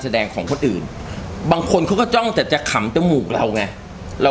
แสดงของคนอื่นบางคนเขาก็จ้องแต่จะขำจมูกเราไงเรา